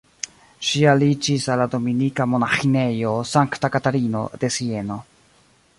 Ŝi aliĝis al la Dominika monaĥinejo Sankta Katarino de Sieno.